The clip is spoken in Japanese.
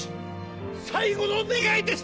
最後の願いです！